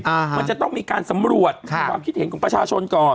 มันจะต้องมีการสำรวจค่ะความคิดเห็นของประชาชนก่อน